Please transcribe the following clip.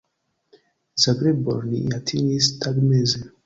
Zagrebon ni atingis tagmeze.